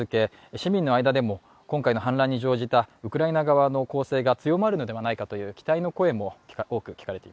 市民の間でも今回の反乱に乗じたウクライナ側の攻勢が強くなるのではないかという期待の声があります。